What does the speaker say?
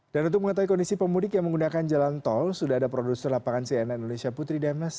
dan untuk mengatai kondisi pemudik yang menggunakan jalan tol sudah ada produser lapangan cnn indonesia putri demes